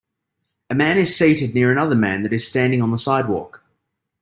A man is seated near another man that is standing on the sidewalk.